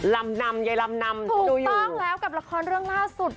นำนำยายลำนำต้องแล้วกับละครเรื่องล่าสุด